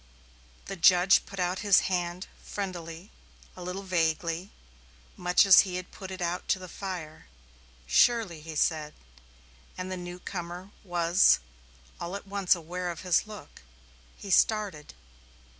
The judge put out his hand friendlily, a little vaguely, much as he had put it out to the fire. "Surely," he said, and the newcomer was all at once aware of his look. He started.